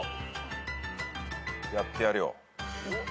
やってやるよ。